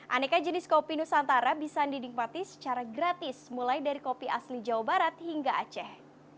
aneka jenis kopi nusantara bisa dinikmati secara gratis mulai dari kopi asli jawa barat hingga aceh